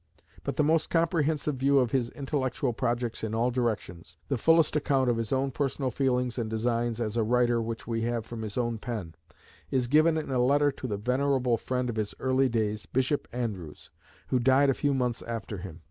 But the most comprehensive view of his intellectual projects in all directions, "the fullest account of his own personal feelings and designs as a writer which we have from his own pen," is given in a letter to the venerable friend of his early days, Bishop Andrewes, who died a few months after him.